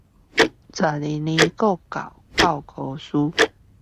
十二年國教教科書